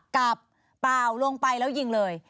กับป่าวลงไปแล้วยิงเลย